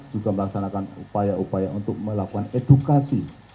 juga melaksanakan upaya upaya untuk melakukan edukasi